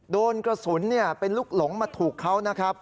โดนกระสุนเป็นลูกหลงมาถูกเขานะครับ